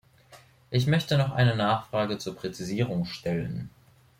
Ich möchte noch eine Nachfrage zur Präzisierung stellen.